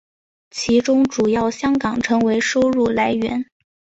其中主要香港成为收入来源。